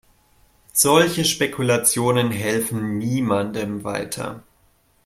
Solche Spekulationen helfen niemandem weiter.